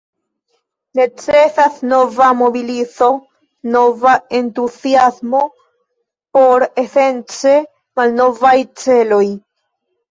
Necesas nova mobilizo, nova entuziasmo por esence malnovaj celoj.